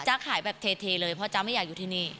ขายแบบเทเลยเพราะจ๊ะไม่อยากอยู่ที่นี่